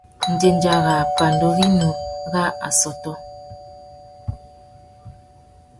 Ndéndja râ pandú rinú râ assôtô.